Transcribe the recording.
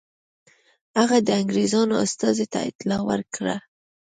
هغه د انګرېزانو استازي ته اطلاع ورکړه.